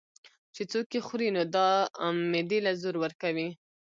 چې څوک ئې خوري نو دا معدې له زور ورکوي